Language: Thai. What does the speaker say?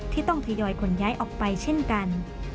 ที่ต้องทยอยขนย้ายออกไปเช่นกัน